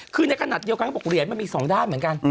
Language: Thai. คือในขณะเดียวกันเขาบอกเหรียญมันมี๒ด้านเหมือนกัน